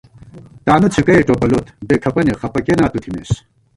تانُو څھِکَئے ٹوپَلوت، بےکھپَنے، خپہ کېناں تُو تھِمېس